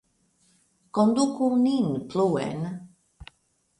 Konduku nin pluen!